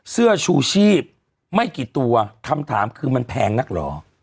เสื้อชูชีพไม่กี่ตัวคำถามคือมันแพงนักเหรอ